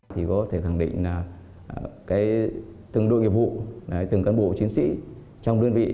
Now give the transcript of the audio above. thì có thể khẳng định là từng đội nghiệp vụ từng cán bộ chiến sĩ trong đơn vị